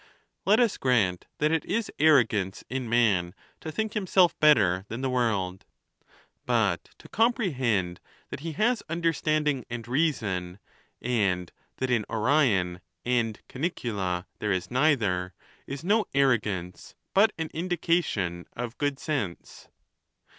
Let us grant that it is arrogance in man to think himself better than the world ; but to com prehend that he has understanding and reason, and that in Orion and Canicula there is neither, is no arrogance, but an indication of good sense.